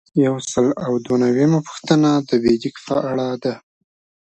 یو سل او دوه نوي یمه پوښتنه د بیجک په اړه ده.